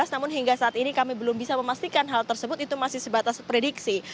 namun hingga saat ini kami belum bisa memastikan hal tersebut itu masih sebatas prediksi